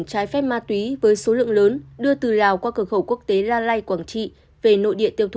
trái phép ma túy với số lượng lớn đưa từ lào qua cửa khẩu quốc tế la lai quảng trị về nội địa tiêu thụ